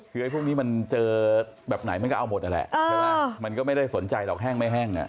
คือพวกนี้เจอแบบไหนมันก็เอาหมดน่ะแหละก็ไม่ได้สนใจหรอกแห้งไม่แห้ง